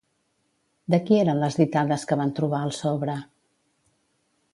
De qui eren les ditades que van trobar al sobre?